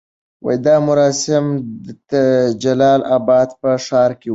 دا مراسم د جلال اباد په ښار کې وو.